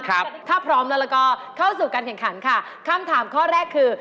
ถ้าพร้อมแล้วก็เข้าสู่การแข่งขันค่ะคำถามข้อแรกคือ